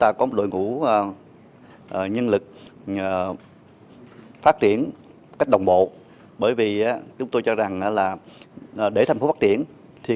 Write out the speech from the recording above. ta có đội ngũ nhân lực phát triển cách đồng bộ bởi vì chúng tôi cho rằng là để thành phố phát triển thì